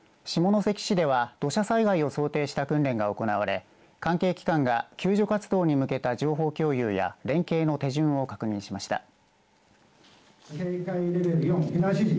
下関市では土砂災害を想定した訓練が行われ関係機関が救助活動に向けた情報共有や連携の手順を確認しました。